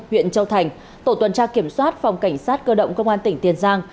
huyện châu thành tổ tuần tra kiểm soát phòng cảnh sát cơ động công an tỉnh tiền giang